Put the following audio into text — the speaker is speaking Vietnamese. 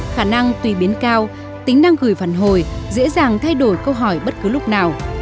khả năng tùy biến cao tính năng gửi phản hồi dễ dàng thay đổi câu hỏi bất cứ lúc nào